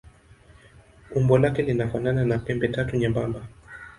Umbo lake linafanana na pembetatu nyembamba.